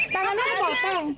tangan aja kepotong